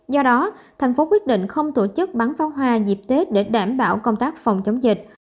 do đó thành phố quyết định không tổ chức bắn pháo hoa dịp tết để đảm bảo công tác phòng chống dịch